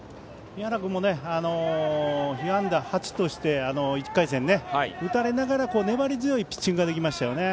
宮原君も被安打８として１回戦、打たれながら粘り強いピッチングができましたよね。